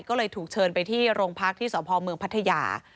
ก็เลยถูกเชิญไปที่โรงพักที่สพเมืองพัทยา